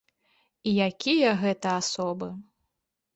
І якія гэта асобы!